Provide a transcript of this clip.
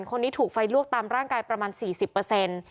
คนนี้ถูกไฟลวกตามร่างกายประมาณ๔๐เปอร์เซ็นต์